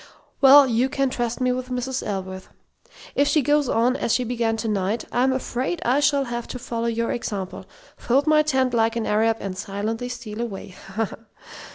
"Well, you can trust me with Mrs. Ellsworth. If she goes on as she began to night, I'm afraid I shall have to follow your example: 'fold my tent like an Arab, and silently steal away.' Ha, ha!